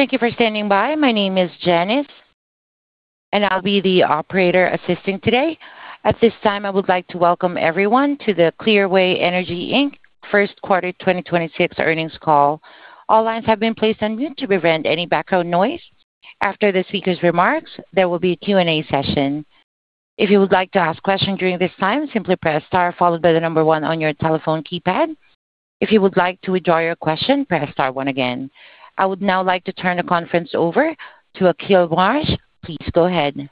Thank you for standing by. My name is Janice, and I'll be the operator assisting today. At this time, I would like to welcome everyone to the Clearway Energy Inc first quarter 2026 earnings call. All lines have been placed on mute to prevent any background noise. After the speaker's remarks, there will be a Q&A session. If you would like to ask questions during this time, simply press star followed by the number one on your telephone keypad. If you would like to withdraw your question, press star one again. I would now like to turn the conference over to Akil Marsh. Please go ahead.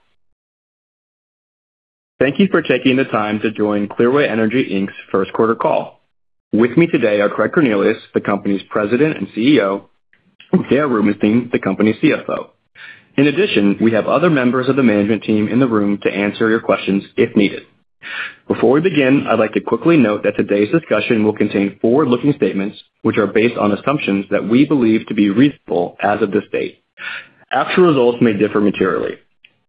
Thank you for taking the time to join Clearway Energy Inc's first quarter call. With me today are Craig Cornelius, the company's President and CEO, and Sarah Rubenstein, the company's CFO. In addition, we have other members of the management team in the room to answer your questions if needed. Before we begin, I'd like to quickly note that today's discussion will contain forward-looking statements which are based on assumptions that we believe to be reasonable as of this date. Actual results may differ materially.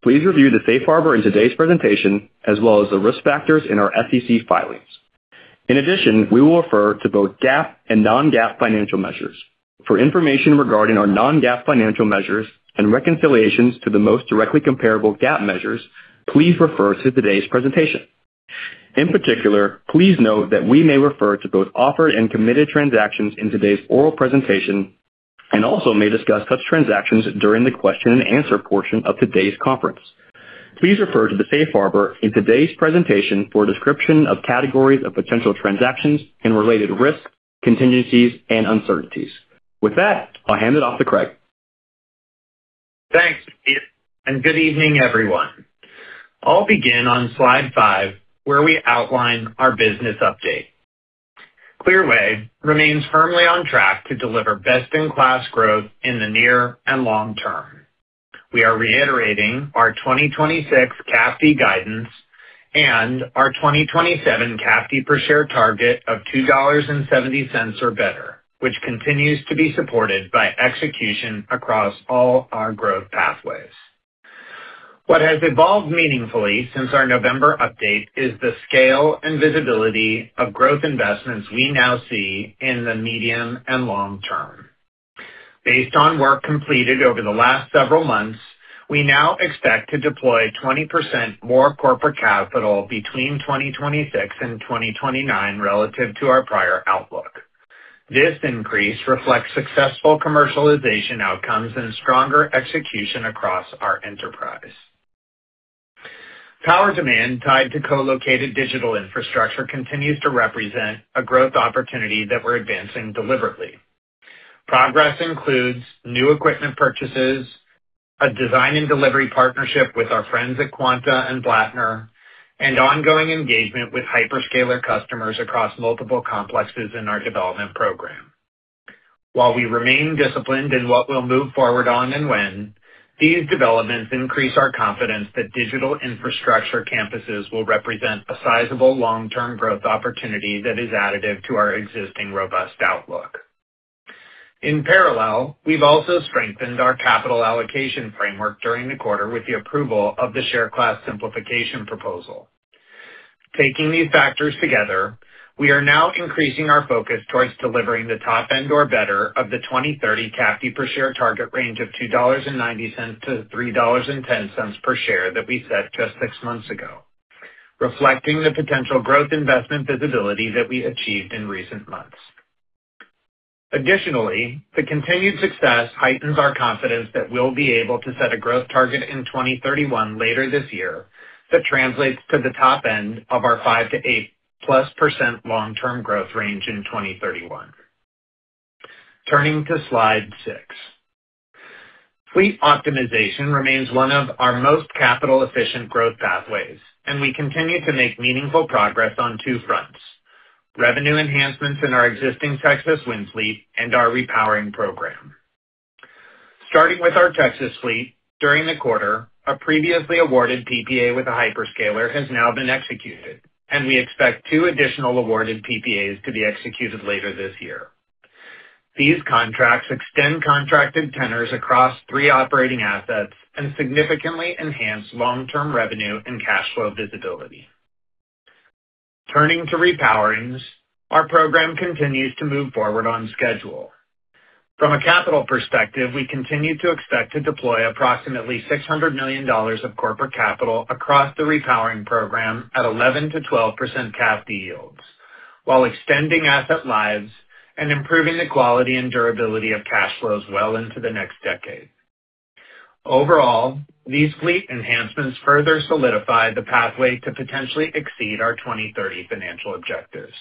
Please review the safe harbor in today's presentation as well as the risk factors in our SEC filings. In addition, we will refer to both GAAP and non-GAAP financial measures. For information regarding our non-GAAP financial measures and reconciliations to the most directly comparable GAAP measures, please refer to today's presentation. In particular, please note that we may refer to both offered and committed transactions in today's oral presentation and also may discuss such transactions during the question and answer portion of today's conference. Please refer to the Safe Harbor in today's presentation for a description of categories of potential transactions and related risks, contingencies, and uncertainties. With that, I'll hand it off to Craig. Thanks, good evening, everyone. I'll begin on slide five, where we outline our business update. Clearway remains firmly on track to deliver best-in-class growth in the near and long term. We are reiterating our 2026 CAFD guidance and our 2027 CAFD per share target of $2.70 or better, which continues to be supported by execution across all our growth pathways. What has evolved meaningfully since our November update is the scale and visibility of growth investments we now see in the medium and long term. Based on work completed over the last several months, we now expect to deploy 20% more corporate capital between 2026 and 2029 relative to our prior outlook. This increase reflects successful commercialization outcomes and stronger execution across our enterprise. Power demand tied to co-located digital infrastructure continues to represent a growth opportunity that we're advancing deliberately. Progress includes new equipment purchases, a design and delivery partnership with our friends at Quanta and Blattner, and ongoing engagement with hyperscaler customers across multiple complexes in our development program. While we remain disciplined in what we'll move forward on and when, these developments increase our confidence that digital infrastructure campuses will represent a sizable long-term growth opportunity that is additive to our existing robust outlook. In parallel, we've also strengthened our capital allocation framework during the quarter with the approval of the share class simplification proposal. Taking these factors together, we are now increasing our focus towards delivering the top end or better of the 2030 CAFD per share target range of $2.90-$3.10 per share that we set just six months ago, reflecting the potential growth investment visibility that we achieved in recent months. The continued success heightens our confidence that we'll be able to set a growth target in 2031 later this year that translates to the top end of our 5%-8%+ long-term growth range in 2031. Turning to slide six. Fleet optimization remains one of our most capital-efficient growth pathways, and we continue to make meaningful progress on two fronts: revenue enhancements in our existing Texas wind fleet and our repowering program. Starting with our Texas fleet, during the quarter, a previously awarded PPA with a hyperscaler has now been executed. We expect two additional awarded PPAs to be executed later this year. These contracts extend contracted tenors across three operating assets and significantly enhance long-term revenue and cash flow visibility. Turning to repowerings, our program continues to move forward on schedule. From a capital perspective, we continue to expect to deploy approximately $600 million of corporate capital across the repowering program at 11%-12% CAFD yields, while extending asset lives and improving the quality and durability of cash flows well into the next decade. Overall, these fleet enhancements further solidify the pathway to potentially exceed our 2030 financial objectives.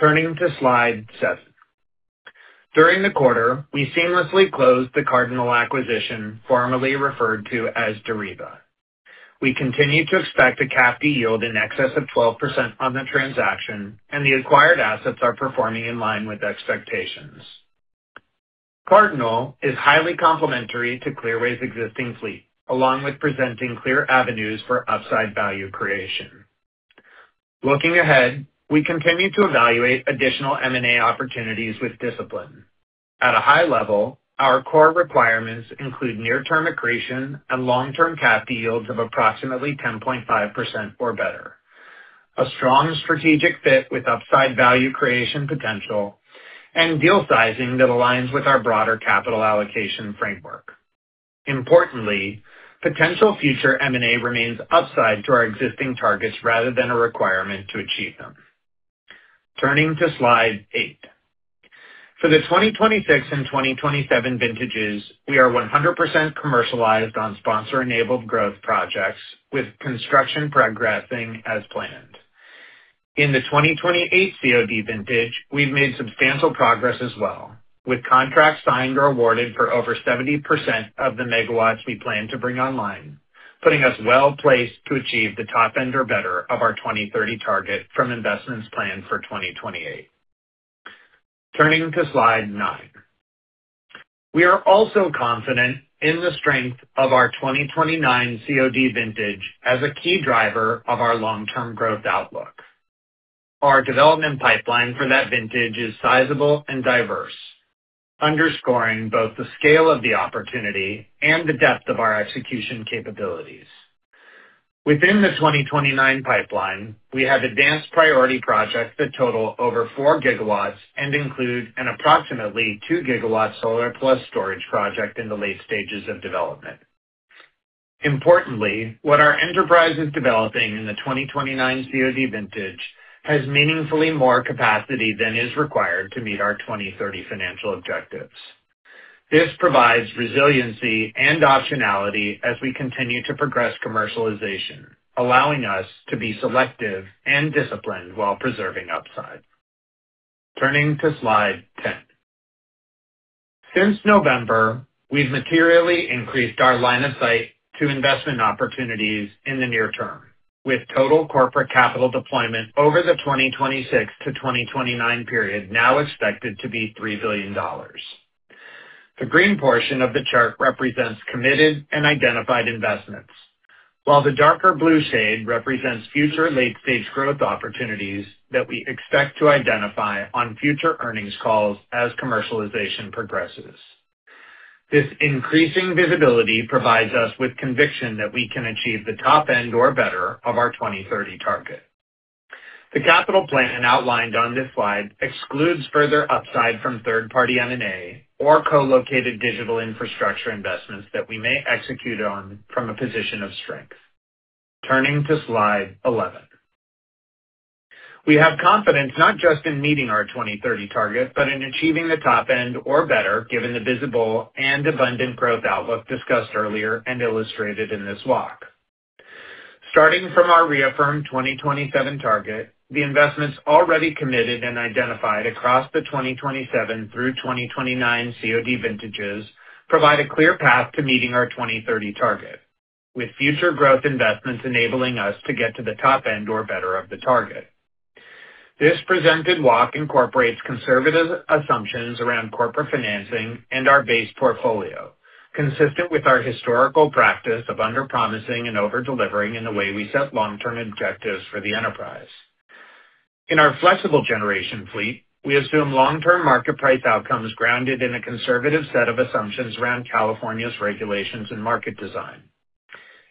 Turning to slide seven. During the quarter, we seamlessly closed the Cardinal acquisition, formerly referred to as Deriva. We continue to expect a CAFD yield in excess of 12% on the transaction, and the acquired assets are performing in line with expectations. Cardinal is highly complementary to Clearway's existing fleet, along with presenting clear avenues for upside value creation. Looking ahead, we continue to evaluate additional M&A opportunities with discipline. At a high level, our core requirements include near-term accretion and long-term CAFD yields of approximately 10.5% or better. A strong strategic fit with upside value creation potential and deal sizing that aligns with our broader capital allocation framework. Importantly, potential future M&A remains upside to our existing targets rather than a requirement to achieve them. Turning to slide eight. For the 2026 and 2027 vintages, we are 100% commercialized on sponsor-enabled growth projects, with construction progressing as planned. In the 2028 COD vintage, we've made substantial progress as well, with contracts signed or awarded for over 70% of the megawatts we plan to bring online, putting us well-placed to achieve the top end or better of our 2030 target from investments planned for 2028. Turning to slide nine. We are also confident in the strength of our 2029 COD vintage as a key driver of our long-term growth outlook. Our development pipeline for that vintage is sizable and diverse, underscoring both the scale of the opportunity and the depth of our execution capabilities. Within the 2029 pipeline, we have advanced priority projects that total over 4 GW and include an approximately 2 GW solar plus storage project in the late stages of development. Importantly, what our enterprise is developing in the 2029 COD vintage has meaningfully more capacity than is required to meet our 2030 financial objectives. This provides resiliency and optionality as we continue to progress commercialization, allowing us to be selective and disciplined while preserving upside. Turning to slide 10. Since November, we've materially increased our line of sight to investment opportunities in the near term, with total corporate capital deployment over the 2026-2029 period now expected to be $3 billion. The green portion of the chart represents committed and identified investments, while the darker blue shade represents future late-stage growth opportunities that we expect to identify on future earnings calls as commercialization progresses. This increasing visibility provides us with conviction that we can achieve the top end or better of our 2030 target. The capital plan outlined on this slide excludes further upside from third-party M&A or co-located digital infrastructure investments that we may execute on from a position of strength. Turning to slide 11. We have confidence not just in meeting our 2030 target, but in achieving the top end or better, given the visible and abundant growth outlook discussed earlier and illustrated in this walk. Starting from our reaffirmed 2027 target, the investments already committed and identified across the 2027 through 2029 COD vintages provide a clear path to meeting our 2030 target, with future growth investments enabling us to get to the top end or better of the target. This presented walk incorporates conservative assumptions around corporate financing and our base portfolio, consistent with our historical practice of underpromising and over-delivering in the way we set long-term objectives for the enterprise. In our flexible generation fleet, we assume long-term market price outcomes grounded in a conservative set of assumptions around California's regulations and market design.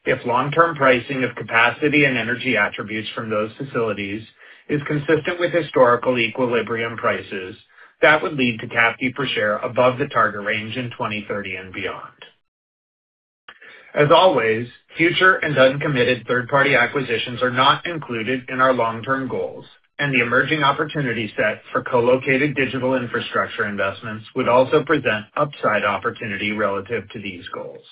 If long-term pricing of capacity and energy attributes from those facilities is consistent with historical equilibrium prices, that would lead to CAFD per share above the target range in 2030 and beyond. As always, future and uncommitted third-party acquisitions are not included in our long-term goals, and the emerging opportunity set for co-located digital infrastructure investments would also present upside opportunity relative to these goals.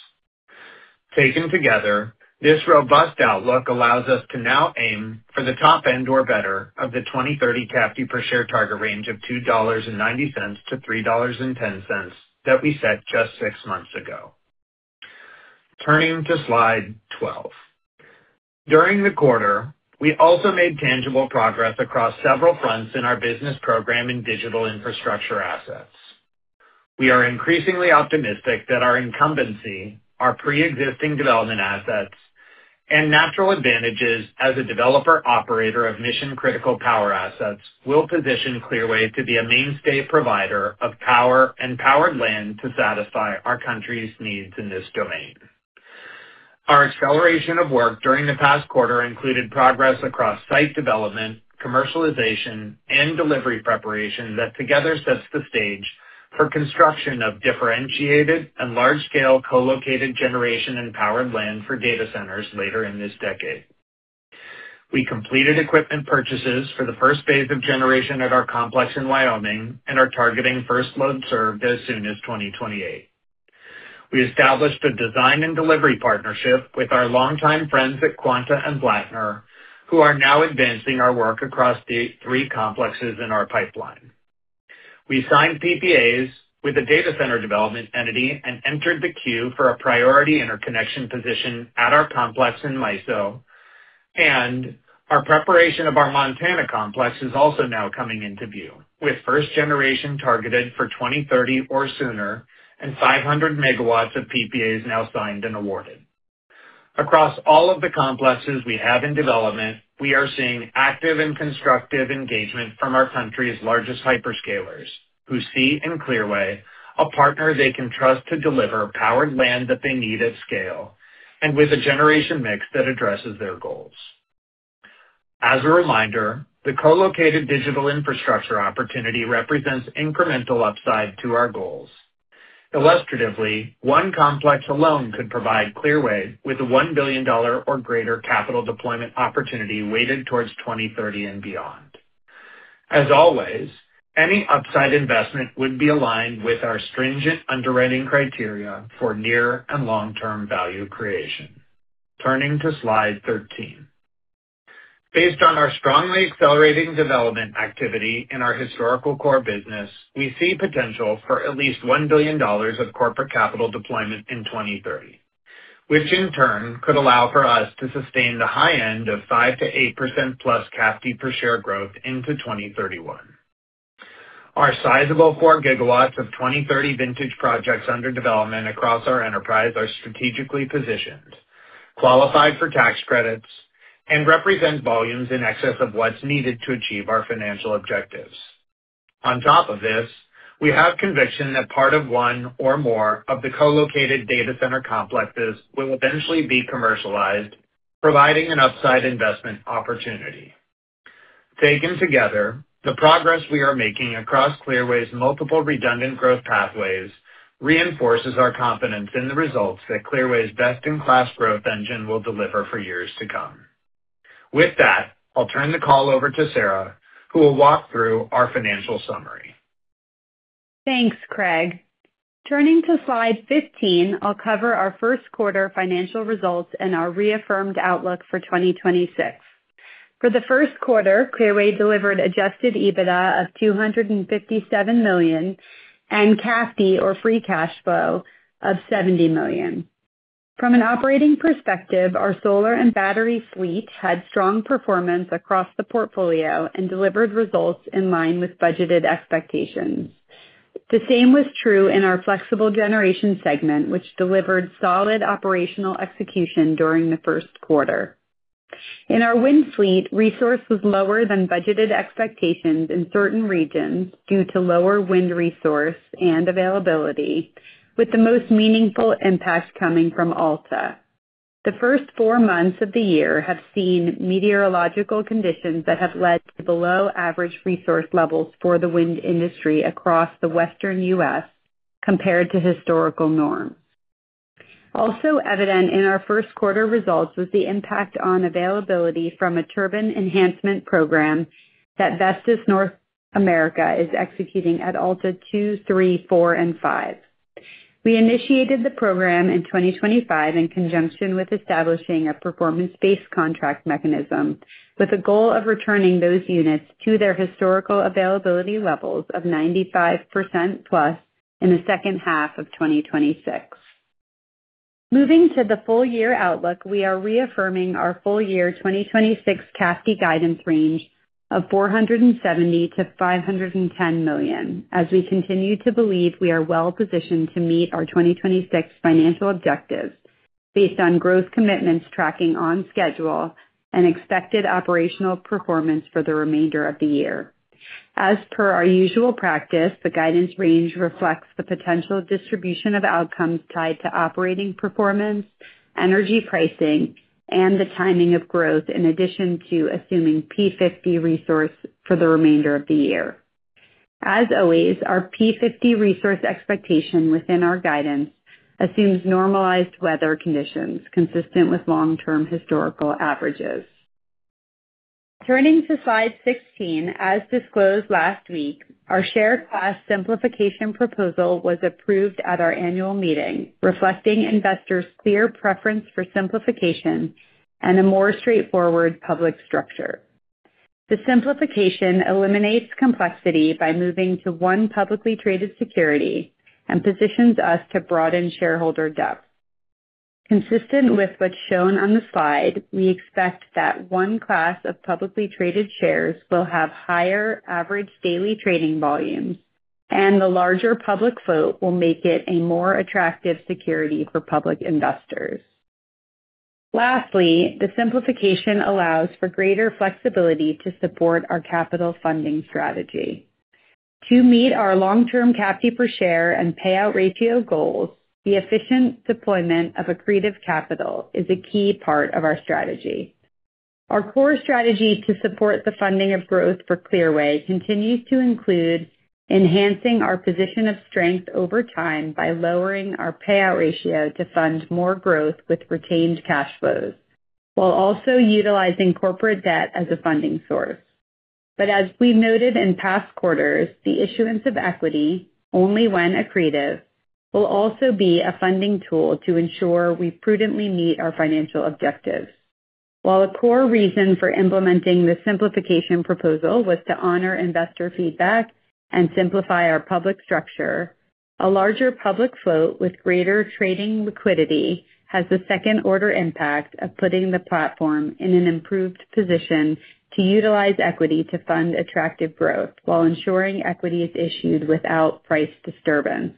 Taken together, this robust outlook allows us to now aim for the top end or better of the 2030 CAFD per share target range of $2.90-$3.10 that we set just six months ago. Turning to slide 12. During the quarter, we also made tangible progress across several fronts in our business program in digital infrastructure assets. We are increasingly optimistic that our incumbency, our preexisting development assets, and natural advantages as a developer operator of mission-critical power assets will position Clearway to be a mainstay provider of power and powered land to satisfy our country's needs in this domain. Our acceleration of work during the past quarter included progress across site development, commercialization, and delivery preparation that together sets the stage for construction of differentiated and large-scale co-located generation and powered land for data centers later in this decade. We completed equipment purchases for the first phase of generation at our complex in Wyoming and are targeting first load served as soon as 2028. We established a design and delivery partnership with our longtime friends at Quanta and Blattner, who are now advancing our work across the three complexes in our pipeline. We signed PPAs with a data center development entity and entered the queue for a priority interconnection position at our complex in MISO. Our preparation of our Montana complex is also now coming into view, with first generation targeted for 2030 or sooner and 500 MW of PPAs now signed and awarded. Across all of the complexes we have in development, we are seeing active and constructive engagement from our country's largest hyperscalers, who see in Clearway a partner they can trust to deliver powered land that they need at scale and with a generation mix that addresses their goals. As a reminder, the co-located digital infrastructure opportunity represents incremental upside to our goals. Illustratively, one complex alone could provide Clearway with a $1 billion or greater capital deployment opportunity weighted towards 2030 and beyond. As always, any upside investment would be aligned with our stringent underwriting criteria for near and long-term value creation. Turning to slide 13. Based on our strongly accelerating development activity in our historical core business, we see potential for at least $1 billion of corporate capital deployment in 2030, which in turn could allow for us to sustain the high end of 5%-8%+ CAFD per share growth into 2031. Our sizable 4 GW of 2030 vintage projects under development across our enterprise are strategically positioned, qualified for tax credits, and represent volumes in excess of what's needed to achieve our financial objectives. On top of this, we have conviction that part of one or more of the co-located data center complexes will eventually be commercialized, providing an upside investment opportunity. Taken together, the progress we are making across Clearway's multiple redundant growth pathways reinforces our confidence in the results that Clearway's best-in-class growth engine will deliver for years to come. With that, I'll turn the call over to Sarah, who will walk through our financial summary. Thanks, Craig. Turning to slide 15, I'll cover our first quarter financial results and our reaffirmed outlook for 2026. For the first quarter, Clearway delivered adjusted EBITDA of $257 million and CAFD or free cash flow of $70 million. From an operating perspective, our solar and battery suite had strong performance across the portfolio and delivered results in line with budgeted expectations. The same was true in our flexible generation segment, which delivered solid operational execution during the first quarter. In our wind suite, resource was lower than budgeted expectations in certain regions due to lower wind resource and availability, with the most meaningful impact coming from Alta. The first four months of the year have seen meteorological conditions that have led to below average resource levels for the wind industry across the Western U.S. compared to historical norms. Also evident in our first quarter results was the impact on availability from a turbine enhancement program that Vestas North America is executing at Alta 2, 3, 4, and 5. We initiated the program in 2025 in conjunction with establishing a performance-based contract mechanism with a goal of returning those units to their historical availability levels of 95%+ in the second half of 2026. Moving to the full year outlook, we are reaffirming our full year 2026 CAFD guidance range of $470 million-$510 million as we continue to believe we are well positioned to meet our 2026 financial objectives based on growth commitments tracking on schedule and expected operational performance for the remainder of the year. As per our usual practice, the guidance range reflects the potential distribution of outcomes tied to operating performance, energy pricing, and the timing of growth, in addition to assuming P50 resource for the remainder of the year. As always, our P50 resource expectation within our guidance assumes normalized weather conditions consistent with long-term historical averages. Turning to slide 16, as disclosed last week, our share class simplification proposal was approved at our annual meeting, reflecting investors' clear preference for simplification and a more straightforward public structure. The simplification eliminates complexity by moving to one publicly traded security and positions us to broaden shareholder depth. Consistent with what's shown on the slide, we expect that one class of publicly traded shares will have higher average daily trading volumes, and the larger public float will make it a more attractive security for public investors. Lastly, the simplification allows for greater flexibility to support our capital funding strategy. To meet our long-term CAFD per share and payout ratio goals, the efficient deployment of accretive capital is a key part of our strategy. Our core strategy to support the funding of growth for Clearway continues to include enhancing our position of strength over time by lowering our payout ratio to fund more growth with retained cash flows, while also utilizing corporate debt as a funding source. As we noted in past quarters, the issuance of equity, only when accretive, will also be a funding tool to ensure we prudently meet our financial objectives. While a core reason for implementing the simplification proposal was to honor investor feedback and simplify our public structure, a larger public float with greater trading liquidity has the second-order impact of putting the platform in an improved position to utilize equity to fund attractive growth while ensuring equity is issued without price disturbance.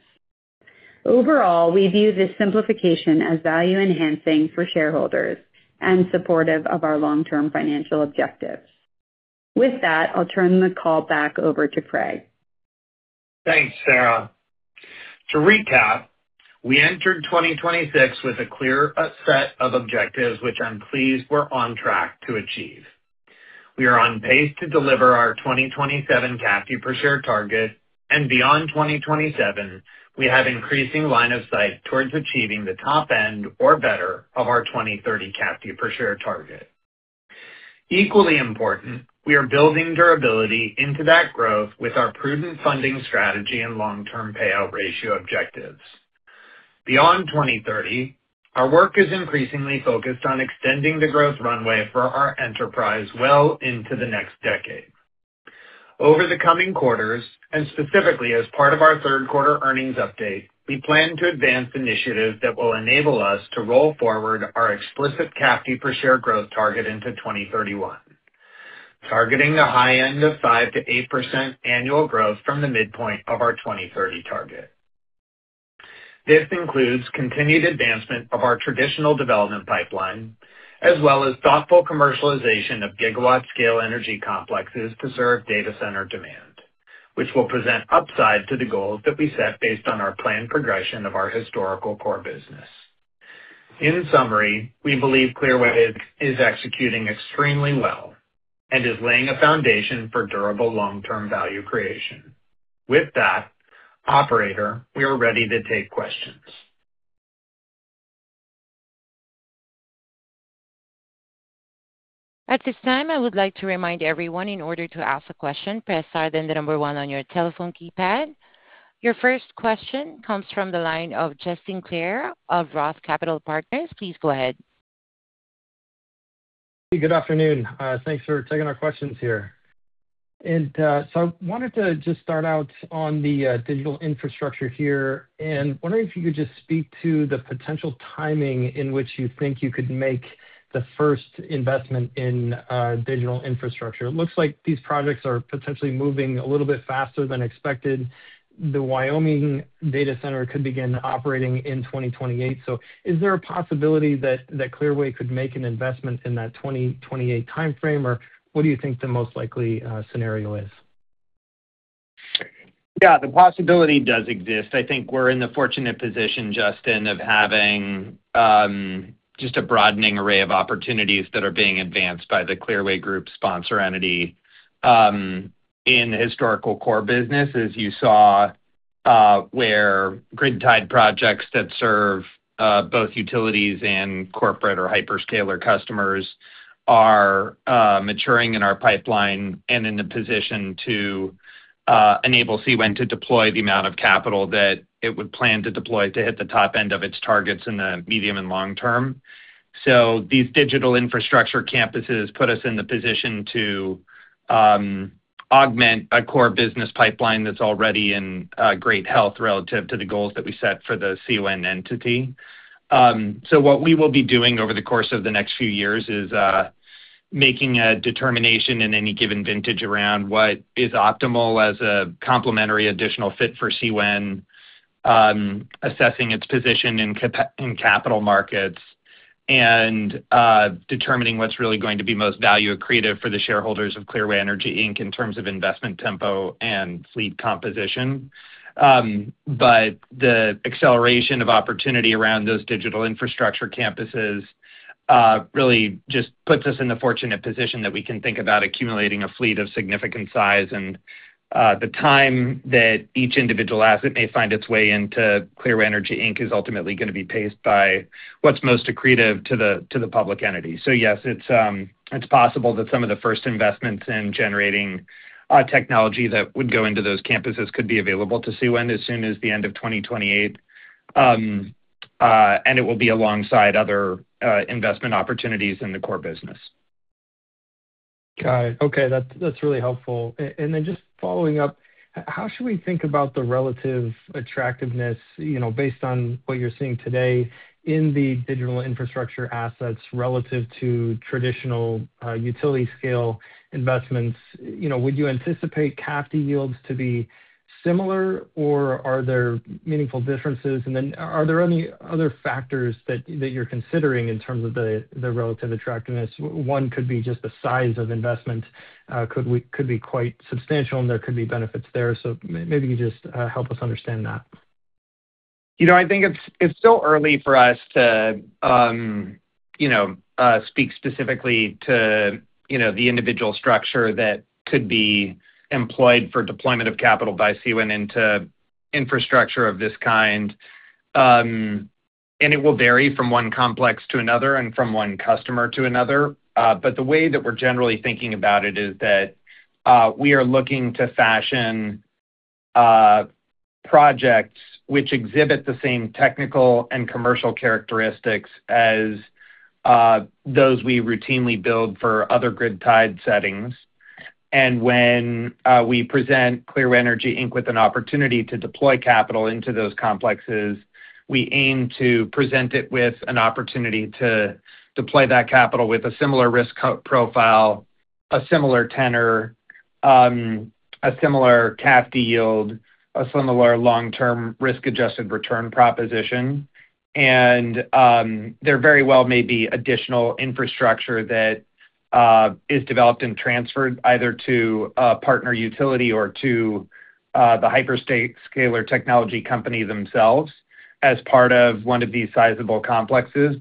Overall, we view this simplification as value-enhancing for shareholders and supportive of our long-term financial objectives. With that, I'll turn the call back over to Craig. Thanks, Sarah. To recap, we entered 2026 with a clear set of objectives, which I'm pleased we're on track to achieve. We are on pace to deliver our 2027 CAFD per share target, and beyond 2027, we have increasing line of sight towards achieving the top end or better of our 2030 CAFD per share target. Equally important, we are building durability into that growth with our prudent funding strategy and long-term payout ratio objectives. Beyond 2030, our work is increasingly focused on extending the growth runway for our enterprise well into the next decade. Over the coming quarters, specifically as part of our third quarter earnings update, we plan to advance initiatives that will enable us to roll forward our explicit CAFD per share growth target into 2031, targeting the high end of 5%-8% annual growth from the midpoint of our 2030 target. This includes continued advancement of our traditional development pipeline, as well as thoughtful commercialization of gigawatt-scale energy complexes to serve data center demand, which will present upside to the goals that we set based on our planned progression of our historical core business. In summary, we believe Clearway is executing extremely well and is laying a foundation for durable long-term value creation. With that, operator, we are ready to take questions. At this time, I would like to remind everyone, in order to ask a question, press star, then one on your telephone keypad. Your first question comes from the line of Justin Clare of Roth Capital Partners. Please go ahead. Good afternoon. Thanks for taking our questions here. I wanted to just start out on the digital infrastructure here, and wondering if you could just speak to the potential timing in which you think you could make the first investment in digital infrastructure. It looks like these projects are potentially moving a little bit faster than expected. The Wyoming Data Center could begin operating in 2028. Is there a possibility that Clearway could make an investment in that 2028 timeframe, or what do you think the most likely scenario is? Yeah, the possibility does exist. I think we're in the fortunate position, Justin, of having just a broadening array of opportunities that are being advanced by the Clearway Group sponsor entity in historical core business, as you saw, where grid-tied projects that serve both utilities and corporate or hyperscaler customers are maturing in our pipeline and in the position to enable CWEN to deploy the amount of capital that it would plan to deploy to hit the top end of its targets in the medium and long term. These digital infrastructure campuses put us in the position to augment a core business pipeline that's already in great health relative to the goals that we set for the CWEN entity. What we will be doing over the course of the next few years is making a determination in any given vintage around what is optimal as a complementary additional fit for CWEN, assessing its position in capital markets, and determining what's really going to be most value accretive for the shareholders of Clearway Energy Inc in terms of investment tempo and fleet composition. The acceleration of opportunity around those digital infrastructure campuses really just puts us in the fortunate position that we can think about accumulating a fleet of significant size. The time that each individual asset may find its way into Clearway Energy Inc is ultimately gonna be paced by what's most accretive to the public entity. Yes, it's possible that some of the first investments in generating technology that would go into those campuses could be available to CWEN as soon as the end of 2028. It will be alongside other investment opportunities in the core business. Got it. Okay. That's really helpful. Just following up, how should we think about the relative attractiveness, you know, based on what you're seeing today in the digital infrastructure assets relative to traditional utility scale investments? You know, would you anticipate CAFD yields to be similar, or are there meaningful differences? Are there any other factors that you're considering in terms of the relative attractiveness? One could be just the size of investment, could be quite substantial, and there could be benefits there. Maybe you just help us understand that. You know, I think it's still early for us to, you know, speak specifically to, you know, the individual structure that could be employed for deployment of capital by CWEN into infrastructure of this kind. It will vary from one complex to another and from one customer to another. The way that we're generally thinking about it is that we are looking to fashion projects which exhibit the same technical and commercial characteristics as those we routinely build for other grid-tied settings. When we present Clearway Energy Inc with an opportunity to deploy capital into those complexes, we aim to present it with an opportunity to deploy that capital with a similar risk profile, a similar tenor, a similar CAFD yield, a similar long-term risk-adjusted return proposition. There very well may be additional infrastructure that is developed and transferred either to a partner utility or to the hyperscaler technology company themselves as part of one of these sizable complexes.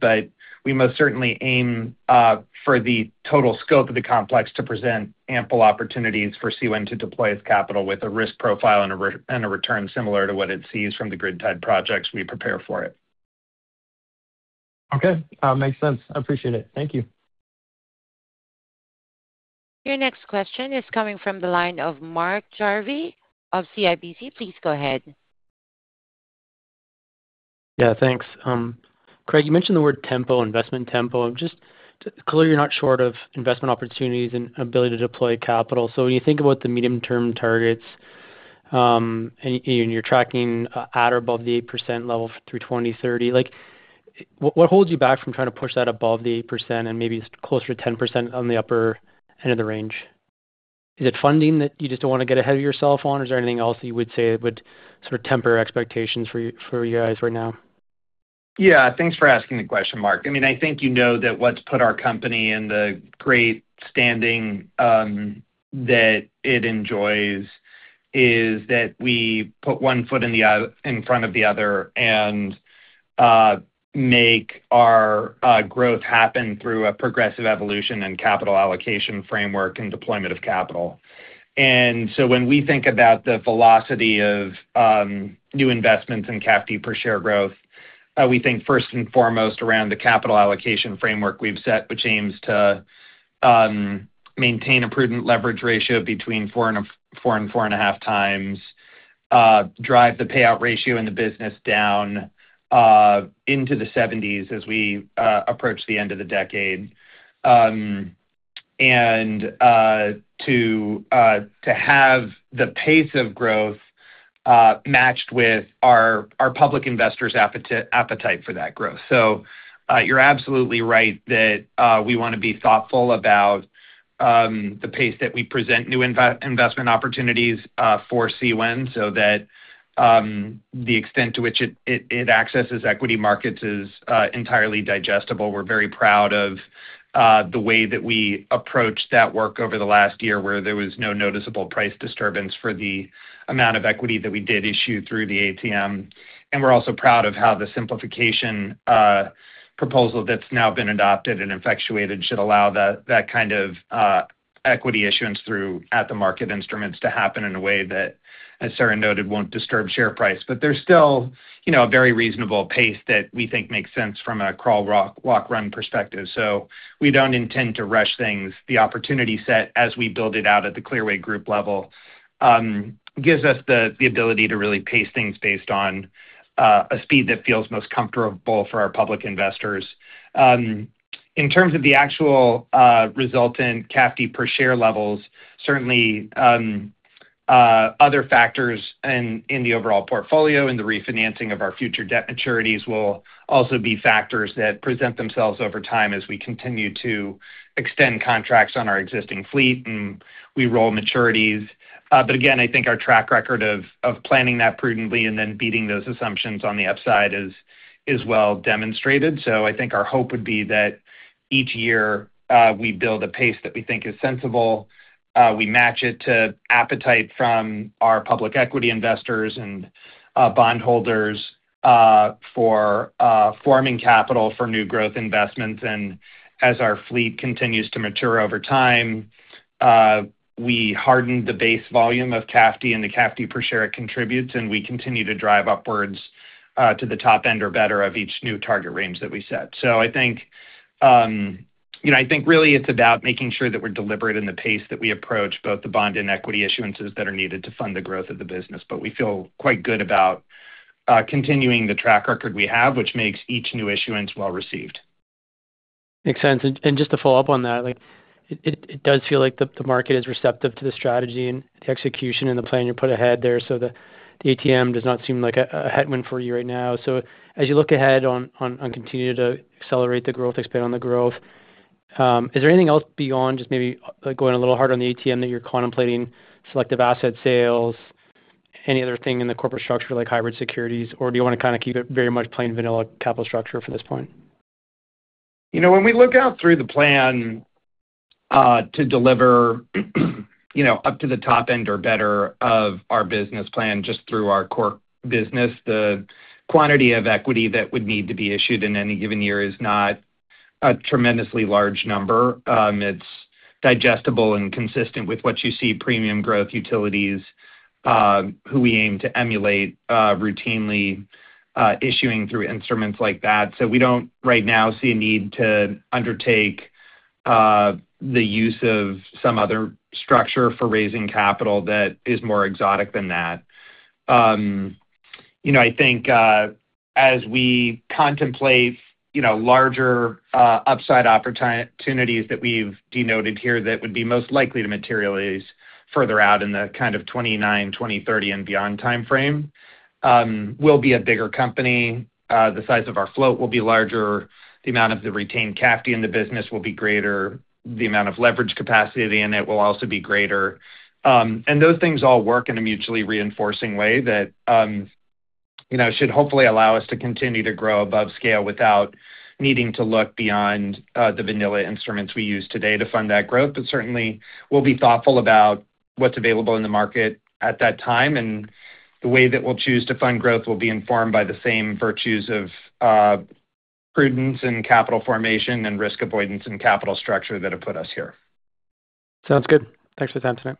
We most certainly aim for the total scope of the complex to present ample opportunities for CWEN to deploy its capital with a risk profile and a return similar to what it sees from the grid-tied projects we prepare for it. Okay. makes sense. I appreciate it. Thank you. Your next question is coming from the line of Mark Jarvi of CIBC. Please go ahead. Yeah, thanks. Craig, you mentioned the word tempo, investment tempo. Just to clear, you're not short of investment opportunities and ability to deploy capital. When you think about the medium-term targets, and you're tracking at or above the 8% level through 2030, what holds you back from trying to push that above the 8% and maybe closer to 10% on the upper end of the range? Is it funding that you just don't wanna get ahead of yourself on? Is there anything else that you would say would sort of temper expectations for you guys right now? Yeah. Thanks for asking the question, Mark. I mean, I think you know that what's put our company in the great standing that it enjoys is that we put one foot in front of the other and make our growth happen through a progressive evolution and capital allocation framework and deployment of capital. When we think about the velocity of new investments in CAFD per share growth, we think first and foremost around the capital allocation framework we've set, which aims to maintain a prudent leverage ratio between 4x and 4.5x, drive the payout ratio in the business down into the 70%s as we approach the end of the decade. And to have the pace of growth matched with our public investors' appetite for that growth. You are absolutely right that we want to be thoughtful about the pace that we present new investment opportunities for CWEN so that the extent to which it accesses equity markets is entirely digestible. We are very proud of the way that we approached that work over the last year where there was no noticeable price disturbance for the amount of equity that we did issue through the ATM. We are also proud of how the simplification proposal that has now been adopted and effectuated should allow that kind of equity issuance through at the market instruments to happen in a way that, as Sarah noted, will not disturb share price. There's still, you know, a very reasonable pace that we think makes sense from a crawl, walk, run perspective. We don't intend to rush things. The opportunity set as we build it out at the Clearway Group level gives us the ability to really pace things based on a speed that feels most comfortable for our public investors. In terms of the actual result in CAFD per share levels, certainly, other factors in the overall portfolio and the refinancing of our future debt maturities will also be factors that present themselves over time as we continue to extend contracts on our existing fleet and we roll maturities. Again, I think our track record of planning that prudently and then beating those assumptions on the upside is well demonstrated. I think our hope would be that each year, we build a pace that we think is sensible. We match it to appetite from our public equity investors and bondholders, for forming capital for new growth investments. As our fleet continues to mature over time, we harden the base volume of CAFD and the CAFD per share it contributes, and we continue to drive upwards to the top end or better of each new target range that we set. I think, you know, I think really it's about making sure that we're deliberate in the pace that we approach both the bond and equity issuances that are needed to fund the growth of the business. We feel quite good about continuing the track record we have, which makes each new issuance well-received. Makes sense. Just to follow up on that, like it does feel like the market is receptive to the strategy and the execution and the plan you put ahead there so the ATM does not seem like a headwind for you right now. As you look ahead on continuing to accelerate the growth, expand on the growth, is there anything else beyond just maybe, like, going a little hard on the ATM that you're contemplating selective asset sales, any other thing in the corporate structure like hybrid securities? Or do you wanna kinda keep it very much plain vanilla capital structure for this point? You know, when we look out through the plan to deliver, you know, up to the top end or better of our business plan just through our core business, the quantity of equity that would need to be issued in any given year is not a tremendously large number. It's digestible and consistent with what you see premium growth utilities, who we aim to emulate, routinely issuing through instruments like that. We don't right now see a need to undertake the use of some other structure for raising capital that is more exotic than that. You know, I think, as we contemplate, you know, larger upside opportunities that we've denoted here that would be most likely to materialize further out in the kind of 2029, 2030 and beyond timeframe, we'll be a bigger company. The size of our float will be larger. The amount of the retained CAFD in the business will be greater. The amount of leverage capacity in it will also be greater. Those things all work in a mutually reinforcing way that, you know, should hopefully allow us to continue to grow above scale without needing to look beyond the vanilla instruments we use today to fund that growth. Certainly we'll be thoughtful about what's available in the market at that time, and the way that we'll choose to fund growth will be informed by the same virtues of prudence and capital formation and risk avoidance and capital structure that have put us here. Sounds good. Thanks for the time tonight.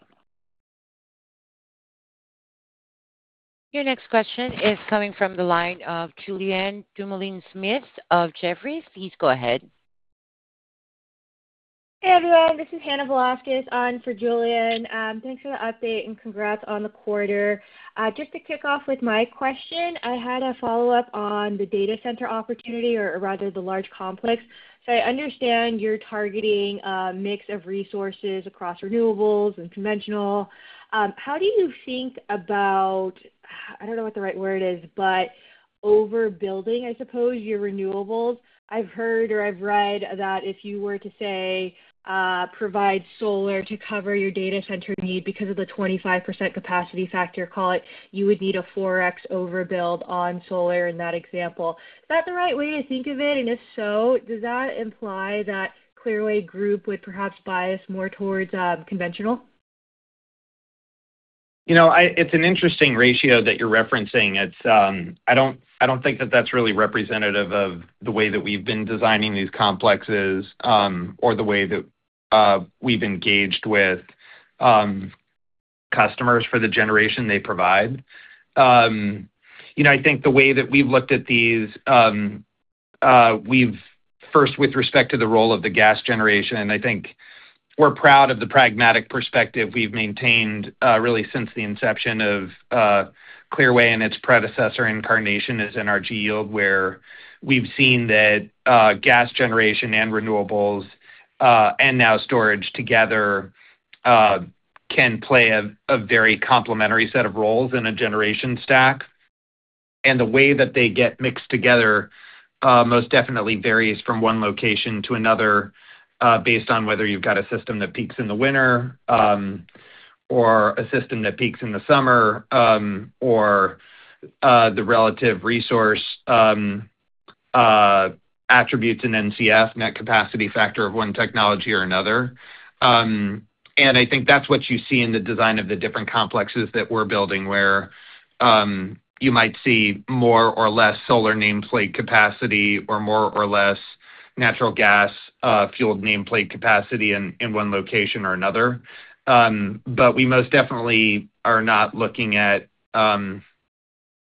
Your next question is coming from the line of Julien Dumoulin-Smith of Jefferies. Please go ahead. Hey, everyone. This is Hannah Velásquez on for Julien Dumoulin-Smith. Thanks for the update and congrats on the quarter. Just to kick off with my question, I had a follow-up on the data center opportunity or rather the large complex. I understand you're targeting a mix of resources across renewables and conventional. I don't know what the right word is, but overbuilding, I suppose, your renewables? I've heard or I've read that if you were to, say, provide solar to cover your data center need because of the 25% capacity factor call it, you would need a 4x overbuild on solar in that example. Is that the right way to think of it? If so, does that imply that Clearway Group would perhaps bias more towards conventional? You know, It's an interesting ratio that you're referencing. It's, I don't think that that's really representative of the way that we've been designing these complexes, or the way that we've engaged with customers for the generation they provide. You know, I think the way that we've looked at these, we've first with respect to the role of the gas generation, I think we're proud of the pragmatic perspective we've maintained really since the inception of Clearway and its predecessor incarnation as NRG Yield, where we've seen that gas generation and renewables and now storage together can play a very complementary set of roles in a generation stack. The way that they get mixed together, most definitely varies from one location to another, based on whether you've got a system that peaks in the winter, or a system that peaks in the summer, or the relative resource attributes in NCF, Net Capacity Factor, of one technology or another. I think that's what you see in the design of the different complexes that we're building where you might see more or less solar nameplate capacity or more or less natural gas fueled nameplate capacity in one location or another. We most definitely are not looking at,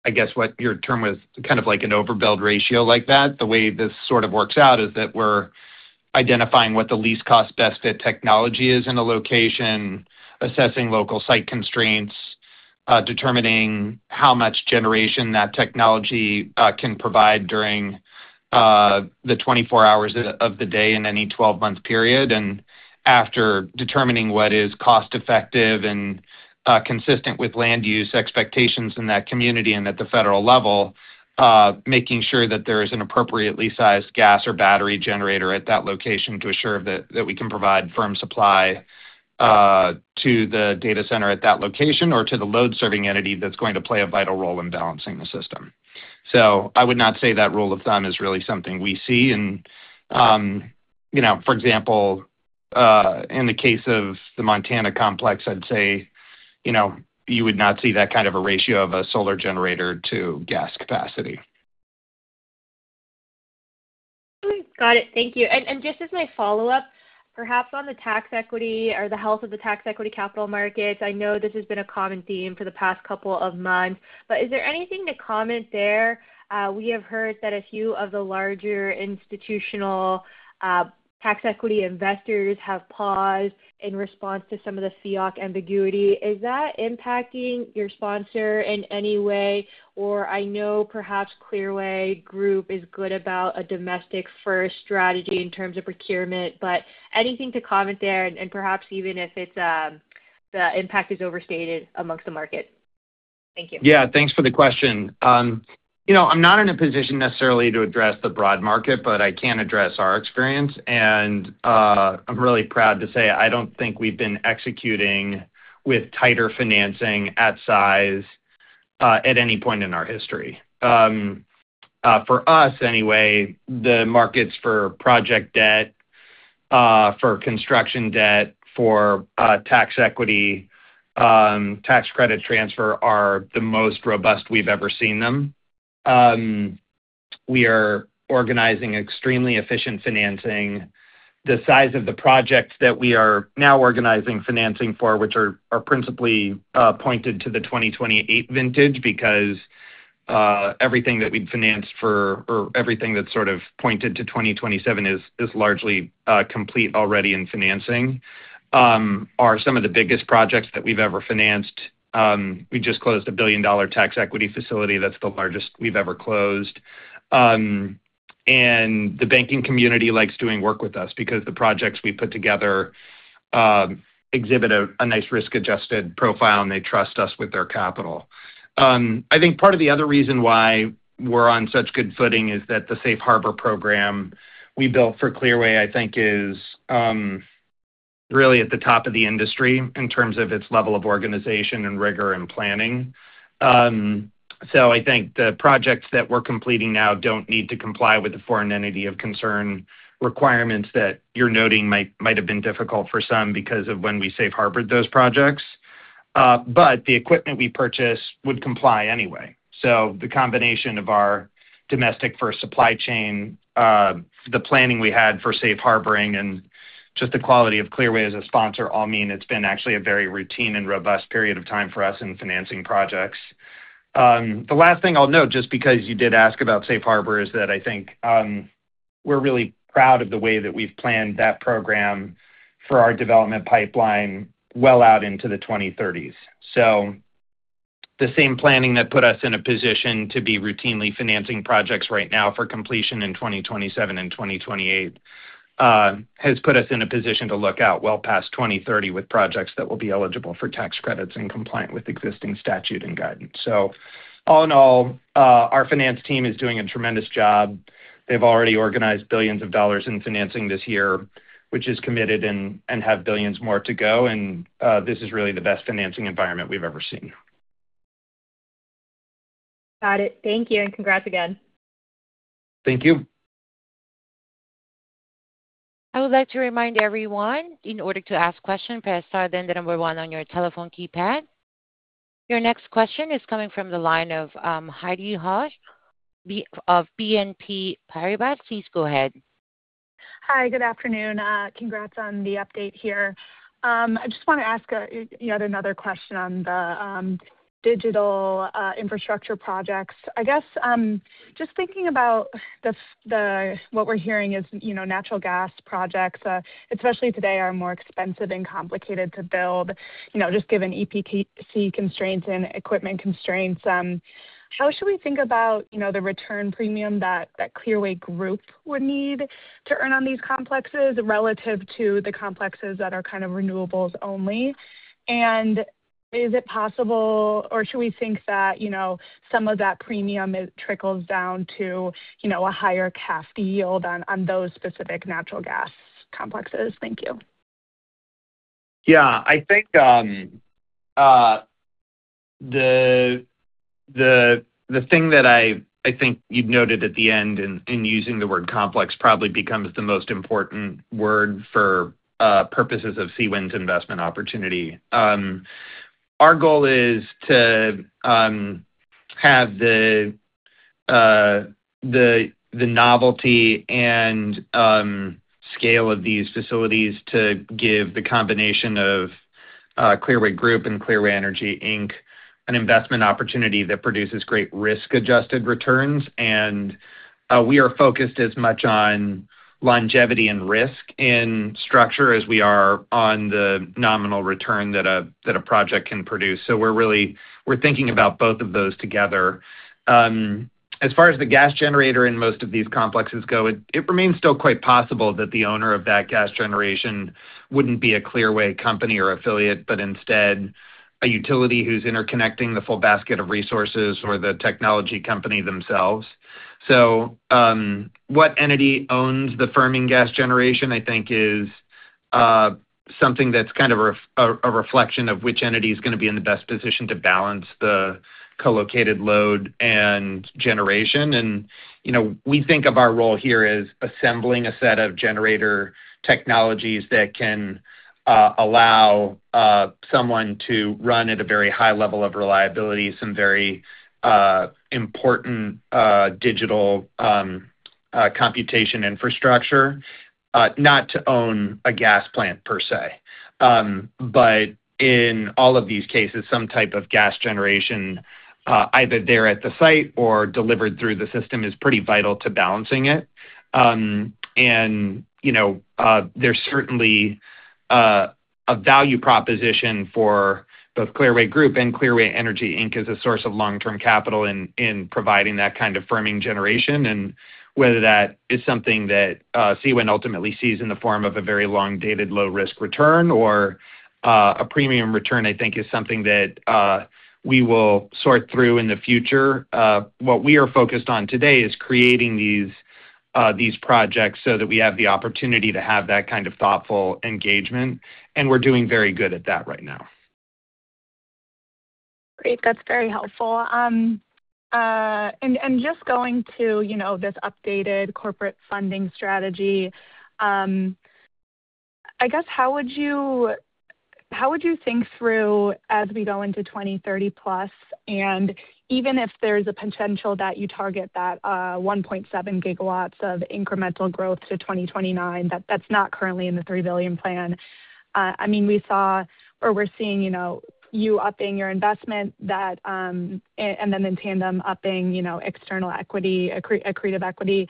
I guess what your term was, kind of like an overbuild ratio like that. The way this sort of works out is that we're identifying what the least cost best fit technology is in a location, assessing local site constraints, determining how much generation that technology can provide during the 24 hours of the day in any 12-month period. After determining what is cost-effective and consistent with land use expectations in that community and at the federal level, making sure that there is an appropriately sized gas or battery generator at that location to assure that we can provide firm supply to the data center at that location or to the load serving entity that's going to play a vital role in balancing the system. I would not say that rule of thumb is really something we see. You know, for example, in the case of the Montana complex, I'd say, you know, you would not see that kind of a ratio of a solar generator to gas capacity. Got it. Thank you. Just as my follow-up, perhaps on the tax equity or the health of the tax equity capital markets. I know this has been a common theme for the past couple of months, is there anything to comment there? We have heard that a few of the larger institutional tax equity investors have paused in response to some of the FEOC ambiguity. Is that impacting your sponsor in any way? I know perhaps Clearway Group is good about a domestic first strategy in terms of procurement, anything to comment there and perhaps even if it's the impact is overstated amongst the market. Thank you. Yeah. Thanks for the question. You know, I'm not in a position necessarily to address the broad market, but I can address our experience. I'm really proud to say I don't think we've been executing with tighter financing at size at any point in our history. For us anyway, the markets for project debt, for construction debt, for tax equity, tax credit transfer are the most robust we've ever seen them. We are organizing extremely efficient financing. The size of the projects that we are now organizing financing for, which are principally pointed to the 2028 vintage because everything that we'd financed for or everything that's sort of pointed to 2027 is largely complete already in financing, are some of the biggest projects that we've ever financed. We just closed a billion-dollar tax equity facility that's the largest we've ever closed. The banking community likes doing work with us because the projects we put together exhibit a nice risk-adjusted profile, and they trust us with their capital. I think part of the other reason why we're on such good footing is that the safe harbor program we built for Clearway, I think, is really at the top of the industry in terms of its level of organization and rigor and planning. I think the projects that we're completing now don't need to comply with the foreign entity of concern requirements that you're noting might have been difficult for some because of when we safe harbored those projects. The equipment we purchase would comply anyway. The combination of our domestic first supply chain, the planning we had for safe harboring and just the quality of Clearway as a sponsor all mean it's been actually a very routine and robust period of time for us in financing projects. The last thing I'll note, just because you did ask about safe harbor, is that I think we're really proud of the way that we've planned that program for our development pipeline well out into the 2030s. The same planning that put us in a position to be routinely financing projects right now for completion in 2027 and 2028 has put us in a position to look out well past 2030 with projects that will be eligible for tax credits and compliant with existing statute and guidance. All in all, our finance team is doing a tremendous job. They've already organized billions of dollars in financing this year, which is committed and have billions more to go. This is really the best financing environment we've ever seen. Got it. Thank you, and congrats again. Thank you. I would like to remind everyone, in order to ask question, press star then one on your telephone keypad. Your next question is coming from the line of Heidi Hauch of BNP Paribas. Please go ahead. Hi, good afternoon. Congrats on the update here. I just wanna ask yet another question on the digital infrastructure projects. I guess, just thinking about what we're hearing is, you know, natural gas projects, especially today, are more expensive and complicated to build, you know, just given EPC constraints and equipment constraints. How should we think about, you know, the return premium that Clearway Group would need to earn on these complexes relative to the complexes that are kind of renewables only? Is it possible or should we think that, you know, some of that premium it trickles down to, you know, a higher CAFD yield on those specific natural gas complexes? Thank you. Yeah. I think the thing that I think you've noted at the end in using the word complex probably becomes the most important word for purposes of Clearway's investment opportunity. Our goal is to have the novelty and scale of these facilities to give the combination of Clearway Group and Clearway Energy Inc an investment opportunity that produces great risk-adjusted returns. We are focused as much on longevity and risk in structure as we are on the nominal return that a project can produce. We're thinking about both of those together. As far as the gas generator in most of these complexes go, it remains still quite possible that the owner of that gas generation wouldn't be a Clearway company or affiliate, but instead a utility who's interconnecting the full basket of resources or the technology company themselves. What entity owns the firming gas generation, I think, is something that's kind of a reflection of which entity is gonna be in the best position to balance the co-located load and generation. You know, we think of our role here as assembling a set of generator technologies that can allow someone to run at a very high level of reliability, some very important digital computation infrastructure, not to own a gas plant per se. In all of these cases, some type of gas generation, either there at the site or delivered through the system is pretty vital to balancing it. You know, there's certainly a value proposition for both Clearway Group and Clearway Energy Inc as a source of long-term capital in providing that kind of firming generation. Whether that is something that CWEN ultimately sees in the form of a very long-dated, low-risk return or a premium return, I think, is something that we will sort through in the future. What we are focused on today is creating these projects so that we have the opportunity to have that kind of thoughtful engagement, and we're doing very good at that right now. Great. That's very helpful. Just going to, you know, this updated corporate funding strategy, I guess how would you, how would you think through as we go into 2030+, and even if there's a potential that you target that 1.7 GW of incremental growth to 2029, that's not currently in the $3 billion plan. I mean, we saw or we're seeing, you know, you upping your investment that, then in tandem upping, you know, external equity, accretive equity.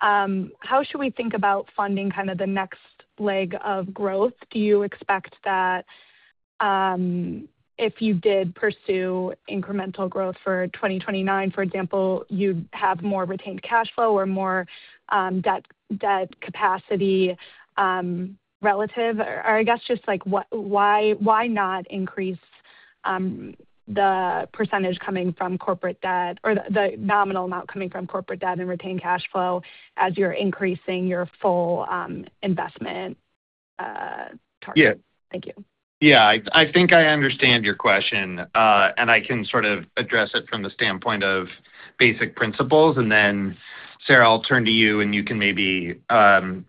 How should we think about funding kind of the next leg of growth? Do you expect that, if you did pursue incremental growth for 2029, for example, you'd have more retained cash flow or more debt capacity, relative? I guess just like why not increase the percentage coming from corporate debt or the nominal amount coming from corporate debt and retained cash flow as you're increasing your full investment target? Yeah. Thank you. Yeah. I think I understand your question, and I can sort of address it from the standpoint of basic principles. Then, Sarah, I'll turn to you, and you can maybe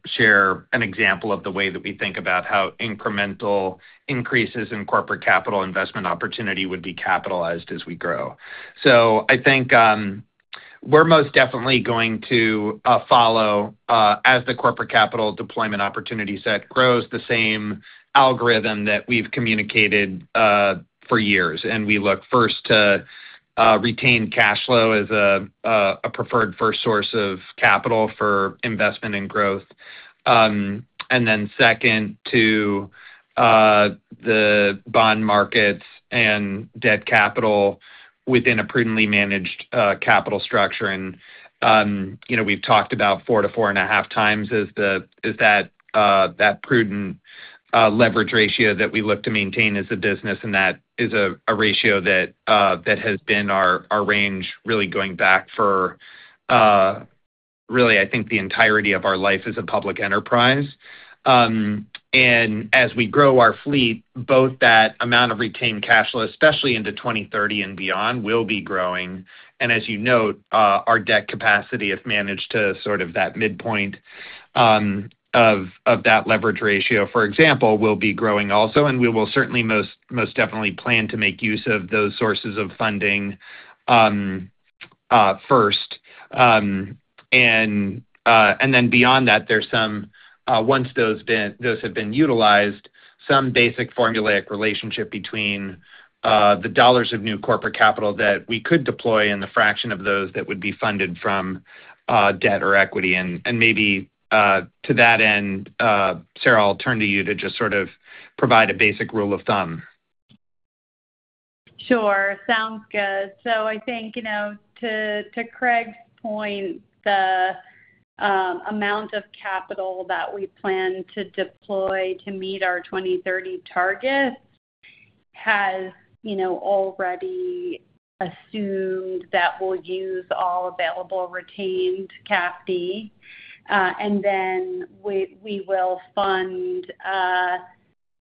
share an example of the way that we think about how incremental increases in corporate capital investment opportunity would be capitalized as we grow. I think, we're most definitely going to follow, as the corporate capital deployment opportunity set grows the same algorithm that we've communicated, for years. We look first to retain cash flow as a preferred first source of capital for investment and growth. Then second to the bond markets and debt capital within a prudently managed capital structure. You know, we've talked about 4x-4.5x as that prudent leverage ratio that we look to maintain as a business, and that is a ratio that has been our range really going back for, really I think the entirety of our life as a public enterprise. As we grow our fleet, both that amount of retained cash flow, especially into 2030 and beyond, will be growing. As you note, our debt capacity, if managed to sort of that midpoint, of that leverage ratio, for example, will be growing also, and we will certainly most definitely plan to make use of those sources of funding, first. Beyond that, there's some once those have been utilized, some basic formulaic relationship between the dollars of new corporate capital that we could deploy and the fraction of those that would be funded from debt or equity. Maybe to that end, Sarah, I'll turn to you to just sort of provide a basic rule of thumb. Sure. Sounds good. I think, you know, to Craig's point, the amount of capital that we plan to deploy to meet our 2030 target has, you know, already assumed that we'll use all available retained CAFD. Then we will fund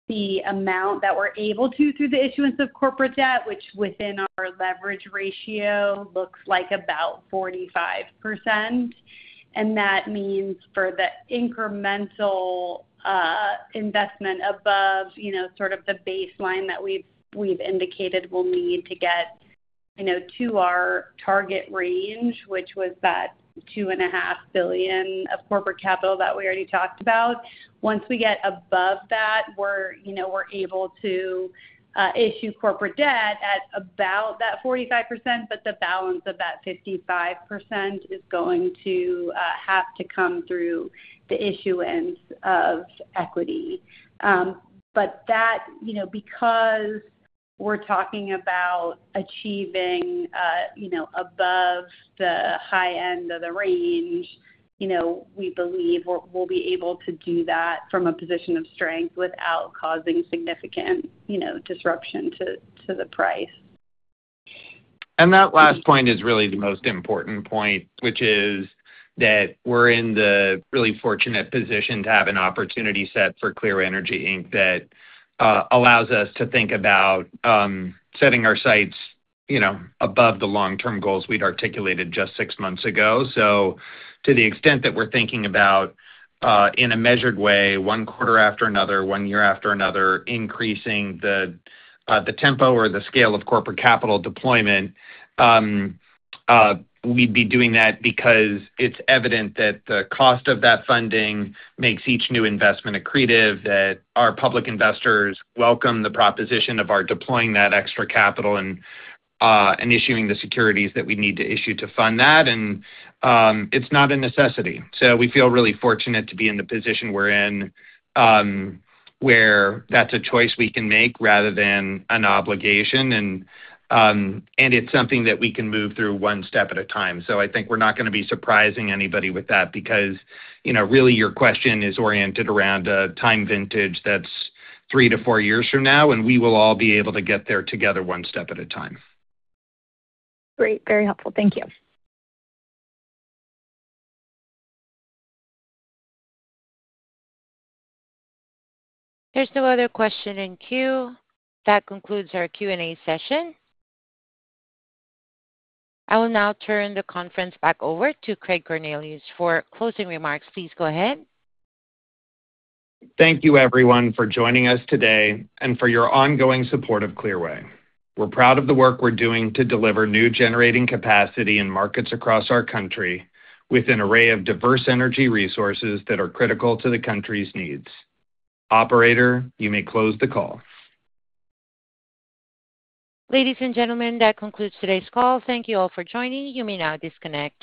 the amount that we're able to through the issuance of corporate debt, which within our leverage ratio looks like about 45%. That means for the incremental investment above, you know, sort of the baseline that we've indicated we'll need to get, you know, to our target range, which was that $2.5 billion of corporate capital that we already talked about. Once we get above that, we're, you know, we're able to issue corporate debt at about that 45%, but the balance of that 55% is going to have to come through the issuance of equity. But that, you know, because we're talking about achieving, you know, above the high end of the range, you know, we believe we'll be able to do that from a position of strength without causing significant, you know, disruption to the price. That last point is really the most important point, which is that we're in the really fortunate position to have an opportunity set for Clearway Energy Inc that allows us to think about setting our sights, you know, above the long-term goals we'd articulated just six months ago. To the extent that we're thinking about in a measured way, one quarter after another, one year after another, increasing the tempo or the scale of corporate capital deployment, we'd be doing that because it's evident that the cost of that funding makes each new investment accretive, that our public investors welcome the proposition of our deploying that extra capital and issuing the securities that we need to issue to fund that. It's not a necessity. We feel really fortunate to be in the position we're in, where that's a choice we can make rather than an obligation. It's something that we can move through one step at a time. I think we're not gonna be surprising anybody with that because, you know, really your question is oriented around a time vintage that's three to four years from now, and we will all be able to get there together one step at a time. Great. Very helpful. Thank you. There's no other question in queue. That concludes our Q&A session. I will now turn the conference back over to Craig Cornelius for closing remarks. Please go ahead. Thank you, everyone, for joining us today and for your ongoing support of Clearway. We're proud of the work we're doing to deliver new generating capacity in markets across our country with an array of diverse energy resources that are critical to the country's needs. Operator, you may close the call. Ladies and gentlemen, that concludes today's call. Thank you all for joining. You may now disconnect.